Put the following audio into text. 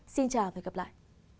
xin chào và hẹn gặp lại